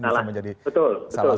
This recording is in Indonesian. bisa menjadi salah satu cara juga ya